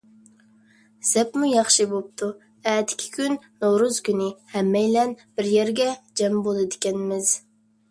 زەپمۇ ياخشى بوپتۇ، ئەتىكى كۈن نورۇز كۈنى، ھەممەيلەن بىر يەرگە جەم بولىدىكەنمىز.